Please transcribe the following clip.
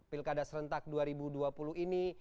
pilkada serentak dua ribu dua puluh ini